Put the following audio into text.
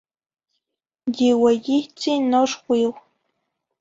Yi ueyihtzi noxuiu.